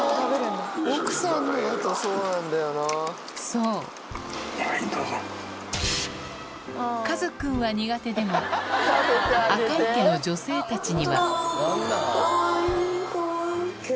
そうかずくんは苦手でも赤井家の女性たちにはあぁかわいい。